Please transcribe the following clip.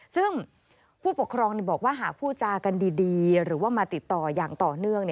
ซึ่งผู้ปกครองบอกว่าหากผู้จากันดีหรือว่ามาติดต่ออย่างต่อเนื่อง